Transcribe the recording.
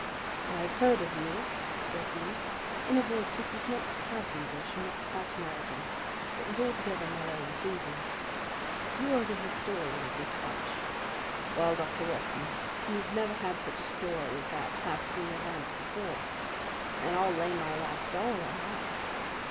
"I've heard of you," said he in a voice which was not quite English and not quite American, but was altogether mellow and pleasing. "You are the historian of this bunch. Well, Dr. Watson, you've never had such a story as that pass through your hands before, and I'll lay my last dollar on that.